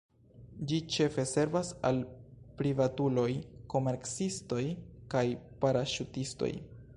Ĝi ĉefe servas al privatuloj, komercistoj kaj paraŝutistoj.